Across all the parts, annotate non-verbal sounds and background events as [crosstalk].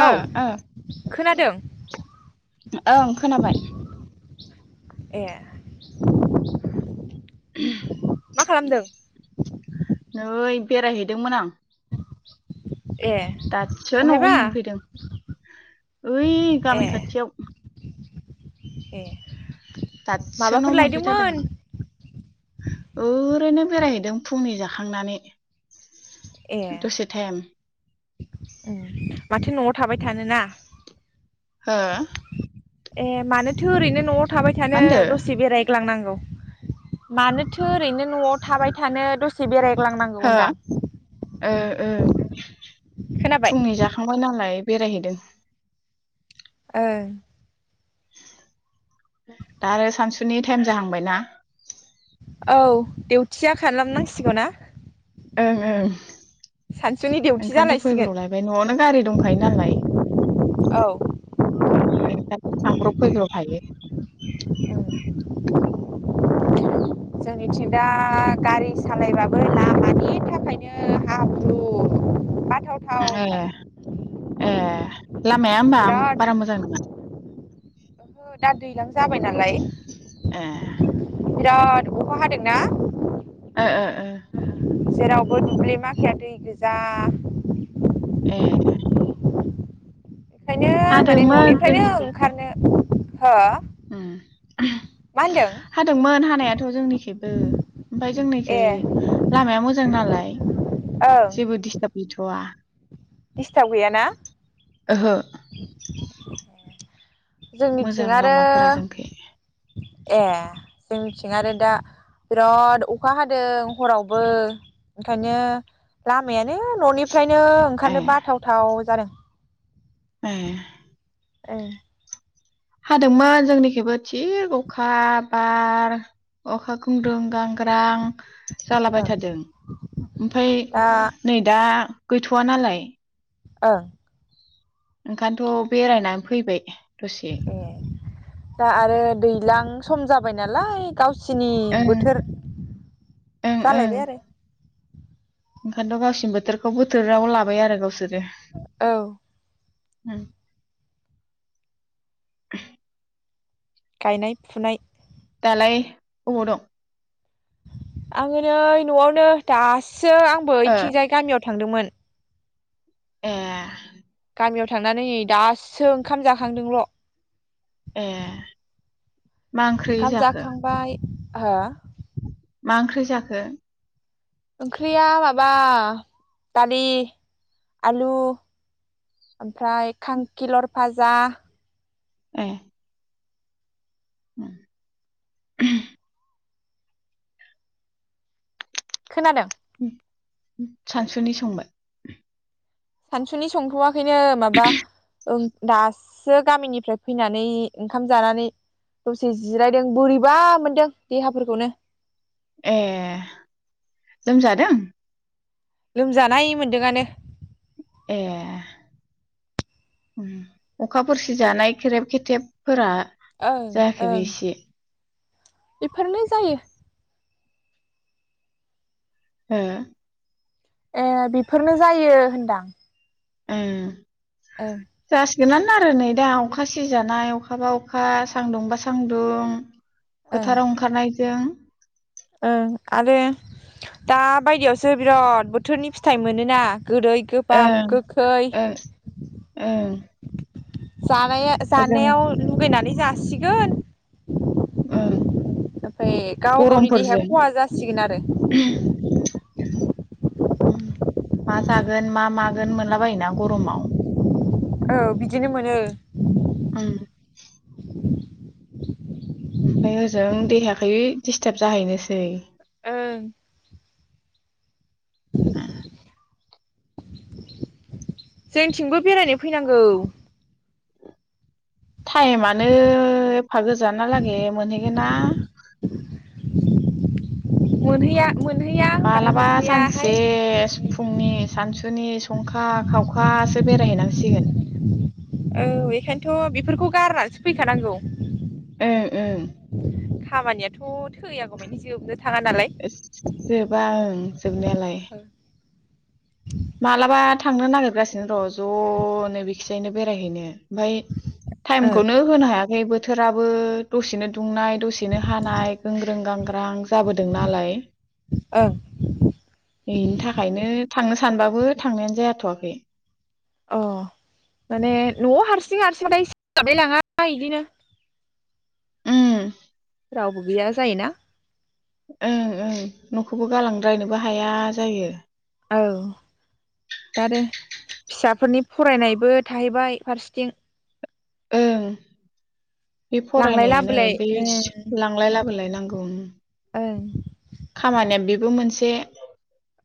ओ ओ खोनादों ओं खोनाबाय ए [inaudible] मा खालामदों। नै बेरायहैदोंमोन आं ए दासो न'आव अहायबा मोनफैदों ओइ ए गामि खाथियाव ए दासो न' माबाफोर लायदोंमोन मोनफैथारदों आं ओरैनो बेरायहैदों फुंनि जाखांनानै ए दसे थाइम उम माथो न'आव थाबाय थानोना हो ए मानोथो ओरैनो न' थाबाय मा थानो होनदो दसे बेरायग्लांनांगौ मानोथो ओरैनो न'आव थाबाय थानो दसे बेराय ग्लांनांगौ हो होनदां ओ ओ खोनाबाय फुंनि जाखांबाय नालाय बेरायहैदों ओ दा आरो सानसुनि टाइम जाहांबाय ना? औ देवउटिया खालामनांसिगौ ना? ओं ओं सानसुनि देउथि ओंखायनोथ जालायसिगोन फैब्रावलायबाय नआवनो गारि दंखायो नालाय औ बे स [unintelligible] फैब्रब हायो उम जोंनिथिं दा गारि सालायबाबो लामानि थाखायनो हाब्रु ए बाथावथावथार ए लामाया होनबा बिराद बारा मोजां नङा दा दैज्लां जाबाय नालाय । [unintelligible] अखा हादोंना? [unintelligible] जेरावबो दुब्लि माखाया दै गोजा । ए बेखायनो माने हादोंमोन ननिफ्रायनो जोंनिखैबो ओंखारनो हो? [unintelligible] मा होनदों हादोंमोन हानायाथ जोंनिखबो ओमफफ्राय जोंनिखै ए लामाया मोजां नालाय ओं जेबो दिसताब गैथआ ग'वा दिस्टार्ब गैयाना जोंनिथिं मोजां आरो लामाफोरा जोंखै ए जोंनिथिं आरो दा बिराद अखा हादों हरावबो ओंखायनो लामायानो ननि फ्रायनो ए ओंखारनो बाथावथाव जादों । ए ओं हादोंमोन जोंनिखबो थिग अखा बार अखा ग्रुं गांगरां जालाबाय ओं थादों ओमफ्राय दा नै दा गैथवा नालाय ओं ओंखायनोथ बेरायनानै फैबाय दसे ए दा आरो दैज्लां सम जाबाय नालाय गाव [unintelligible] ओं बोथोर जालायबाय आरो ओंखायथ' गावसिनि बोथोरखौ बोथोराव लाबाय आरो गावसोर । औ । उम्म । गायनाय फुनाय लाय अबाव दं? आंङो नै न'आवनो दास सो आंबो ओ इथिंजाय गामियाव थ थांदोंमोन । ए । गामियाव थांनानै नै दासो ओंखाम जाखांदोंल' । ए मा ओंख्रि ओंखाम जाखो? जाखांबाय हो? मा ओंख्रि जाखो? ओंख्रिया माबा दालि आलु । ओमफ्राय खांखिलर । फाजा । ए । उम्म । खोनादों? सानसुनि संबाय? सानसुनि संथ'वा खोयनो माबा ओं दासो गामिनिफ्राय फैनानै ओंखाम जानानै दसे जिरायदों बोरैबा मोनदों देहाफोरखौनो । ए लोमजादों? लोमजानाय मोन्दोंआनो । ए अखा फोरसिजानाय खेरेब खेथेबफोरा । ओं ओं । बेफोरनो जायो । हो । ए बेफोरनो जायो होनदां । ए । [unintelligible] [unintelligible] नान आरो नै दा अखा सिजानाय अखााबा अखा सान्दुं बा सान्दुं । ओं फोथाराव ओंखारनायजों । ओं आरो दा बायदियावसो बिराद बोथोरनि फिथाइ मोनोना । गोदै गोबाब ओं गोखै । ओं ओं [inaudible] जानाया जों जानायाव लुगैनानै । जासिगोन ओं । ओमफ्राय गाव गावनि देहाया गरमफोरजों खहा जासिगोन आरो । उम्म मा जागोन मा मागोन मोनला बायोना गरमाव? औ बिदिनो मोनो। उम ओमफ्राय ओजों देहाखै दिस्टाब जाहैनोसै। ओं जोंथिंबो बेरायनो फैनांगौ। टायेमानो फा गोजाना लागै मोनहैगोनना? मोनहैया मोनहैया होनबाथाय मालाबा सानसे मोनफैयाहाय फुंनि सानसुनि संखा खावखासो बेरायहैनांसिगोन। थ बेफोरखौ गारनानैसो फैखानांगौ। ओं ओं खामानियाथ' थैयागौ मानि जोबनो थाङा नालाय एस जोबा ओं जोबनायालाय मालाबा थांनो नागिरगासिनो र ज'नो बेखिजायनो बेरायहैनो। ओमफाय ओं टाइमखौनो होनो हाया बे बोथोराबो दसेनो दुंनाय दसेनो हानाय गोंग्रों गांग्रां जाबोदों नालाय ओं बेनि थाखायनो थांनोस सानबाबो थांनायानो जायाथ'वाखै। अ माने न'आव हारसिं हारसिंखाय सोलाबलाय लाङा इदिनो उम रावबो गैया जायोना। ओं ओं न'खौबो गालांद्रायनोबो हाया जायो। औ दा आरो फिसाफोरनि फरायनायबो थाहैबाय फारसेथिं। ओं बे लांलाय फरायनायानो लाबोलाय बैस ओं लांलाय लाबोलाय नांगौ उम ओं खामानिया बेबो मोनस से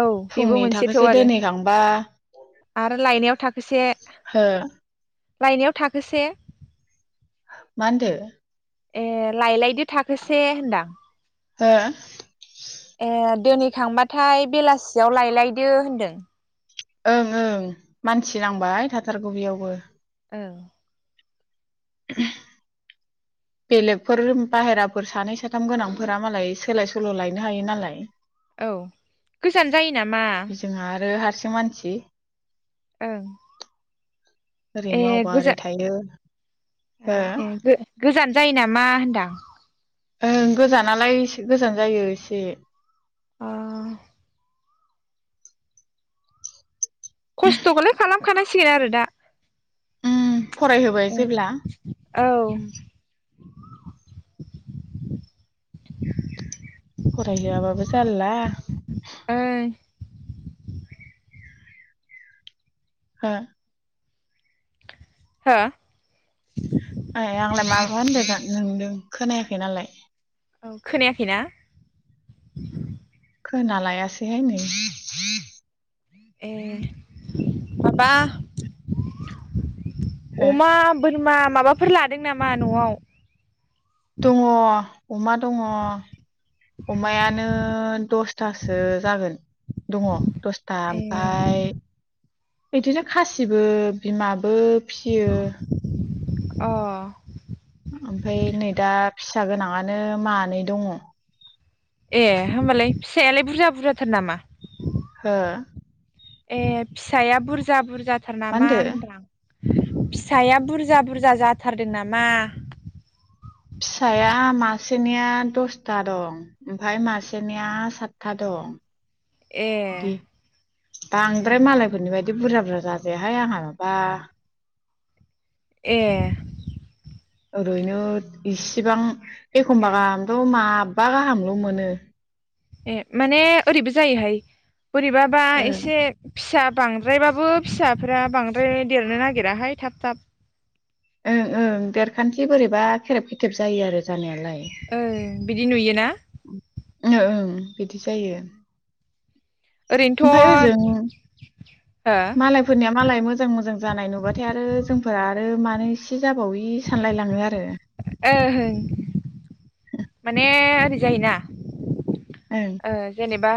औ बेबो फुंनि मोनसेथ' आरो थाखोसे दोनहैखांबा आरो लायनायाव थाखोसे हो लायनायाव थाखोसे मा होनदो? ए लायलायदो थाखोसे होनदां। हो? एद दोनैखांबाथाय बेलासियाव लायलायदो होनदों। ओं ओं मानसि नांबाय थाथारगौ बेयावबो। ओं [inaudible] बेलेगफोर बाहेराफोर सानै साथाम गोनांफोरा मालाय सोलाय सोल' लायनो हायो नालाय। औ गोजान जायो नामा जों आरो हा से मानसि। ओं ओरै मावबा ओरै गोजा थायो। ए हो ए गो-गोजान जायो नामा होनदां। ओ गोजानालाय से गोजान जायो एसे। अ खस्थ'खौलाय खालाम खानांसिगोन आरो दा। उम। फरायहोबाय ओं जेब्ला। औ फरायहोआबाबो जारला। ओं हा? हा? आइ आंलाय माबा होनदों नोंदों खोनायाखै नालाय। औ खोनायाखै ना? खोना लायासैहाय नै। ए माबा हो अमा बोरमा माबाफोर लादों नामा न'आव? दङ। अमा दङ अमायानो दसथासो जागोन दङ दसथा ए ओमफ्राय बिदिनो खासिबो बिमा बो फियो। अ ओमफाय नै दा फिसा गोनाङानो मानै दङ। ए होमबालाय फिसायालाय बुरजा बुरजाथार नामा? हो? ए फिसाया बुरजा बुर जाथार नामा होनदो होनदां? फिसाया बुरजा बुरजा जाथारदों नामा? फिसाया मासेनिया दसथा दं ओमफ्राय मासेनिया सातथा दं। ए दे ए बांद्राय मालायफोरनि बाय दि बुरजा बुरजा जाजायाहाय आंहा माबा। ए ओरैनो इसिबां एखमबा गाहामथ' माबबा गाहामल' मोनो। ए माने ओरैबो जायोहाय। बोरैबाबा ओ एसे फिसा बांद्रायबाबो फिसाफोरा बांद्राय देरनो नागिराहाय थाब थाब। ओ ओ देरखान्थि बोरैबा खेरेब खेथेब जायो आरो। जानायालाय ओं बिदि नुयोना ओ ओं। बिदि जायो। ओमफ्राय ओजों ओरैनोथ' मालायफोरनिया मालाय मोजां मोजां जानाय नुबाथाय आरो जोंफोरा आरो मा नैसो जाबावै सानलायलाङो आरो। ओ माने ओरै जायोना ओं ओ जेनेबा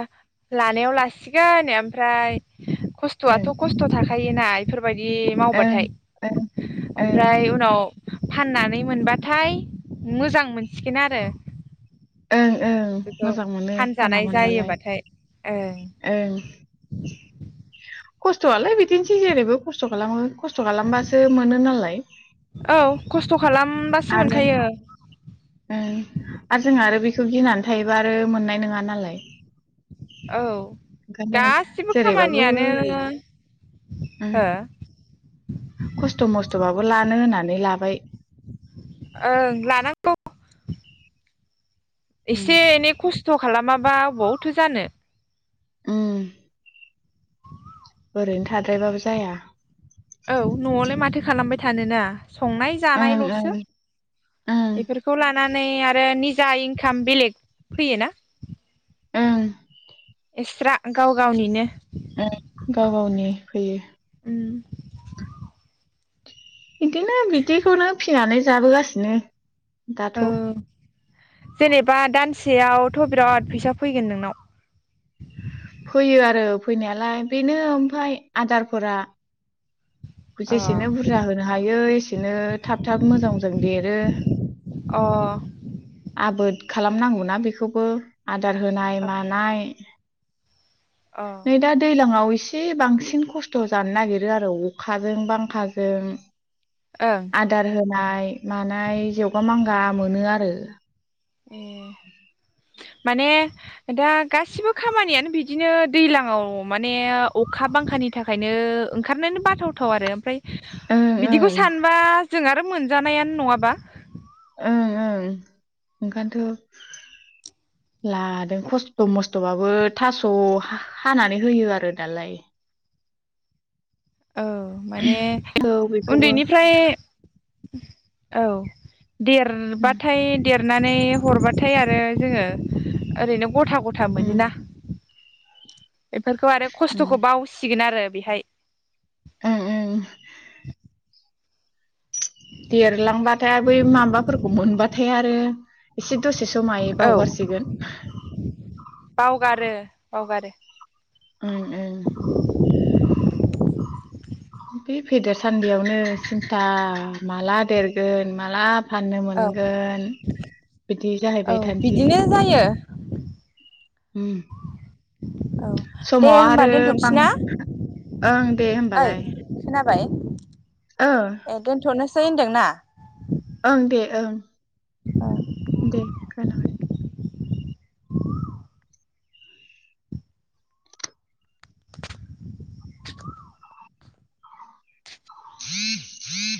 लानायाव लासिगोन ओमफ्राय ओं खस्थ'आथ' खस्थ' थाखा योना एफोर बायदि ओं मावबाथाय ओं ओं ओमफ्राय उनाव फाननानै मोनबाथाय मोजां मोनसिगोन आरो। ओं ओं गोसोखौ मोजां मोनो फानना फानजानाय मोनबालाय जायोबाथाय ओं ओं। खस्थ'आलाय बिदिनोसै जेरैबो खस्थ' खालामो। खस्थ' खालामबासोमोनो नालाय। औ खस्थ' खालामबासो मोनखायो जोंहा आरो बिखौ गिनानै थायोबा आरो मोननाय नोङा नालाय। औ। ओंखायनो गासिबो जेरैबाबो खामानियानो हो उम खस्थ' मस्थ'बाबो लानो होननानै लाबाय। ओं लानांगौ। उम एसे एनै खस्थ' खालाम माबा अबावथो जानो। ओम। जाया औ न'आवलाय माथो खालामबाय था थानोना? संनाय ओं जानायल'सो ओं ओं बेफोरखौ लानानै आरो नि जा इनकाम बेलेग फैयोना ओम। एक्सट्रा गाव गावनिनो। उम गाव गावनि फैयो। उम बिदिनो बिदिखौनो फिनानै जाबोगासिनो औ दाथ' जेनेबा दानसेयावथ बिराद फैसा फैगोन नोंनाव फैयो आरो फैनायालाय बेनो ओमफ्राय आदारफोरा जेसेनो बुरजा होनो हायो एसेनो थाब थाब मोजां मोजां देरो अ आबोद खालामनांगौ ना बेखौबो आदार होनाय मानाय अ नै दा दैलाङाव एसे बांसिन खस्थ जानो नागिरो आरो अखाजों बांखाजों अ आदार होनाय मानाय जेवगा मांगा मोनो आरो ए माने दा गासिबो खामानियानो बिदिनो दैलाङाव माने अखा बांखानि थाखायनो ओंखारनानो बाथावथाव आरो ओमफ्राय ओं बिदिखौ ओं सानबा जोंहा आरो मोनजानायानो नङाबा। उम उम ओंखायथ लादों खस्थ मस्थ बाबो थास हानानै होयो आरो दालाय औ माने औ बेखौबो उन्दैनिफ्राय औ उम देरबाथाय देर नानै हरबाथाय आरो जोङो ओरैनो गथा गथा उम मोनोना बेफोरखौ आरो उम खस्थखौ बावसिगोन आरो बेहाय उम उम देरलांबाथाय बै माबाफोरखौ मोनबाथाय आरो एसे दसे समाय औ बावगारसिगोन बावगारो बावगारो ओं ओं [inaudible] बे फेदेर सान्दियावनो सिन्था माला देरगोन माला फाननो औ मोनगोन बिदि जाहैबाय थानोसै बिदिनो [inaudible] ओम औ दे समाव होमबा आरो दोनथ'नोसै बां ना ओं दे होमबालाय बाय ओ ए दोनथनोसै सै होनदोंना? ओं दे ओं। ओ दे खोनाबाय। ग [unintelligible] ह ह [unintelligible]